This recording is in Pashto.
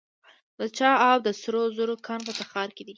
د چاه اب د سرو زرو کان په تخار کې دی